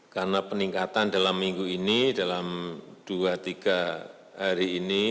karena peningkatan dalam minggu ini dalam dua tiga hari ini